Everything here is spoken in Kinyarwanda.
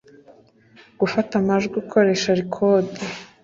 Gufata amajwi ukoresha rekodi.